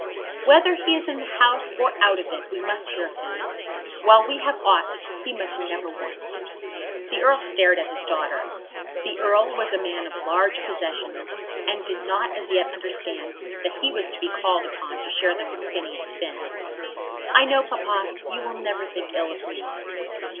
"Whether he is in the House or out of it we must hear of him. While we have aught he must never want." The Earl stared at his daughter. The Earl was a man of large possessions, and did not as yet understand that he was to be called upon to share them with Phineas Finn. "I know, Papa, you will never think ill of me."